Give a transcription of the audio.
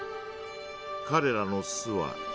彼らの巣は。